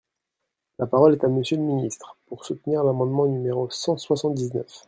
La parole est à Monsieur le ministre, pour soutenir l’amendement numéro cent soixante-dix-neuf.